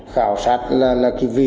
khảo sát là cái vị